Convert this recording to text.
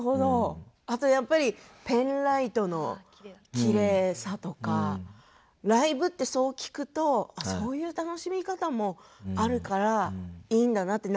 あと、やっぱりペンライトのきれいさとかライブって、そう聞くとそういう楽しみ方もあるから、いいんだなって。